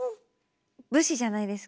武士じゃないですか皆さん。